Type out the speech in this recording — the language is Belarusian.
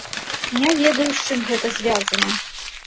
Не ведаю, з чым гэта звязана.